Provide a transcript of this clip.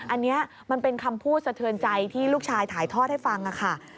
อันนี้มันเป็นคำพูดสะเทือนใจที่ลูกชายถ่ายทอดให้ฟังค่ะ